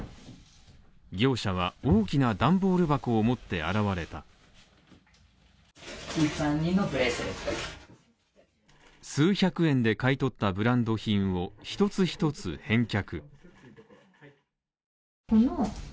業者は大きなダンボール箱を持って現れた数百円で買い取ったブランド品を一つ一つ返却。